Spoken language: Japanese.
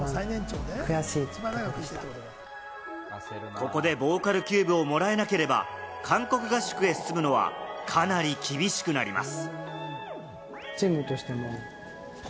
ここでボーカルキューブをもらえなければ、韓国合宿へ進むのはかなり厳しくなります。